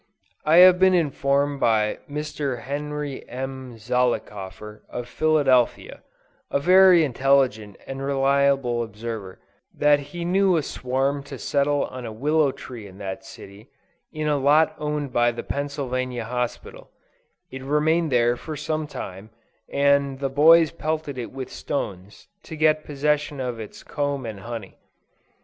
I have been informed by Mr. Henry M. Zollickoffer of Philadelphia, a very intelligent and reliable observer, that he knew a swarm to settle on a willow tree in that city, in a lot owned by the Pennsylvania Hospital; it remained there for sometime, and the boys pelted it with stones, to get possession of its comb and honey.